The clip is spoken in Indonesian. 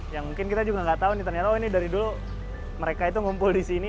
ya mungkin kita juga nggak tahu nih ternyata oh ini dari dulu mereka itu ngumpul di sini